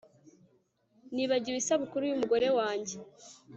Nibagiwe isabukuru yumugore wanjye